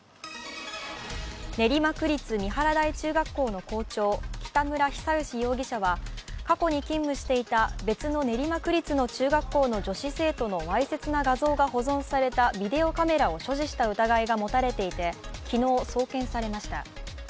練馬区立三原台中学校の校長、北村比左嘉容疑者は過去に勤務していた別の練馬区立の中学校の女子生徒のわいせつな画像が保存されたビデオカメラを所持した疑いが持たれていて、昨日、送検されました。